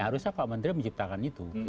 harusnya pak menteri menciptakan itu